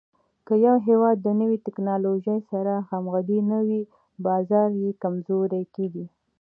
که یو هېواد د نوې ټکنالوژۍ سره همغږی نه وي، بازار یې کمزوری کېږي.